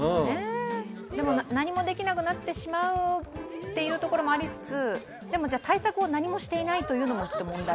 でも何もできなくなってしまうっていうところもありつつ対策を何もしていないというのも問題。